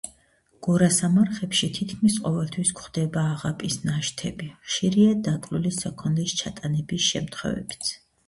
გორასამარხებში თითქმის ყოველთვის გვხვდება აღაპის ნაშთები; ხშირია დაკლული საქონლის ჩატანების შემთხვევებიც.